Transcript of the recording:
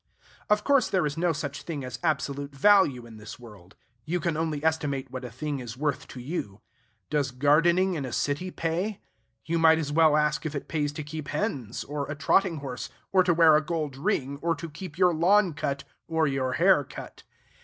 Of course there is no such thing as absolute value in this world. You can only estimate what a thing is worth to you. Does gardening in a city pay? You might as well ask if it pays to keep hens, or a trotting horse, or to wear a gold ring, or to keep your lawn cut, or your hair cut.